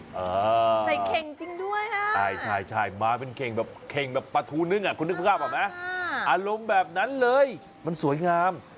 ใส่เครงจริงด้วยฮะใช่มาเป็นเครงแบบปะทูนึงคุณนึกภาพเหรอไหมอารมณ์แบบนั้นเลยมันสวยงาม